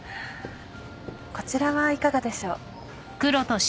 こちらはいかがでしょう？